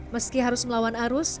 meski harus melawan arus